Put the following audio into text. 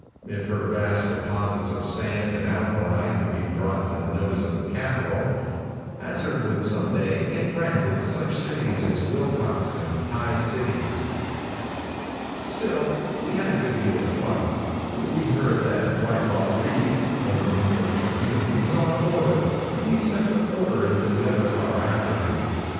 If her vast deposits of sand and alkali could be brought to the notice of capital, Hazzard would some day take rank with such cities as Wilcox and Tie City. Still we had a good deal of fun. We heard that Whitelaw Reid, of the New York was on board, and we sent the porter into the other car after him.